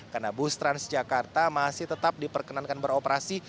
karena bus transjakarta masih tetap diperkenankan beroperasi